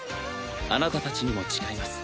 あなたたちにも誓います。